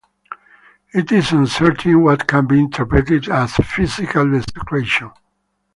It is uncertain what can be interpreted as "physical desecration".